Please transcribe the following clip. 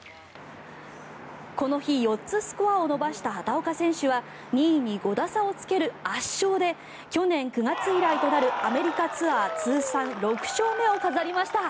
この日、４つスコアを伸ばした畑岡選手は２位に５打差をつける圧勝で去年９月以来となるアメリカツアー通算６勝目を飾りました。